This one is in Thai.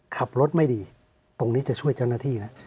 ขับรถไม่ดีตรงนี้จะช่วยเจ้าหน้าที่แล้ว